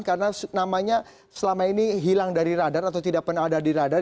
karena namanya selama ini hilang dari radar atau tidak pernah ada di radar